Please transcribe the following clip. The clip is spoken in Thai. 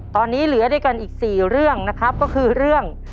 ตอนนี้เหลือด้วยกันอีก๔เรื่องนะครับก็คือเรื่อง